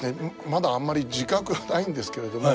まだあんまり自覚がないんですけれども